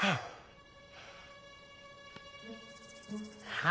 はあ。